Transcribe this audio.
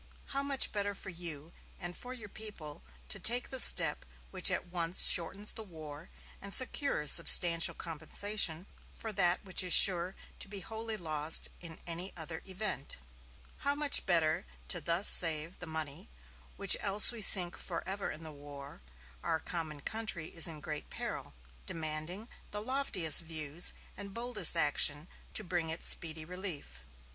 How much better for you and for your people to take the step which at once shortens the war and secures substantial compensation for that which is sure to be wholly lost in any other event. How much better to thus save the money which else we sink forever in the war.... Our common country is in great peril, demanding the loftiest views and boldest action to bring it speedy relief.